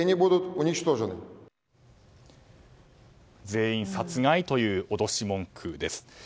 全員殺害という脅し文句です。